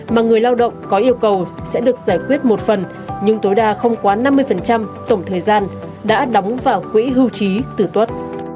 mà người lao động có yêu cầu sẽ được giải quyết một phần nhưng tối đa không quá năm mươi tổng thời gian đã đóng vào quỹ hưu trí tử tuất